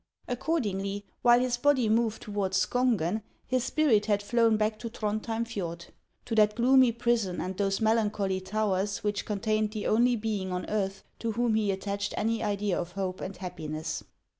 Accordingly, while his body moved toward Skon gen his spirit had flown back to Throndhjem Fjord, — to that gloomy prison and those melancholy towers which contained the only being on earth to whom he attached any idea of hope and happiness.